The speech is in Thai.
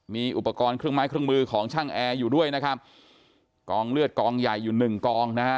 มีอุปกรณ์เครื่องไม้เครื่องมือของช่างแอร์อยู่ด้วยนะครับกองเลือดกองใหญ่อยู่หนึ่งกองนะฮะ